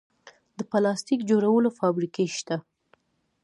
د پلاستیک جوړولو فابریکې شته